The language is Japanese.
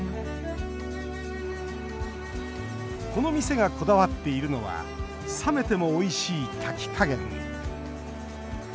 この店が、こだわっているのは冷めても、おいしい炊き加減。